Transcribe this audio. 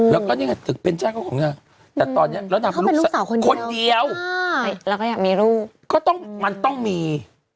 แต่ตอนนี้อยากเป็นลูกสาวคือมันต้องมี